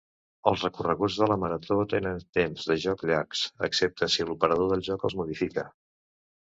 Els recorreguts de la marató tenen temps de joc llargs, excepte si l'operador del joc els modifica.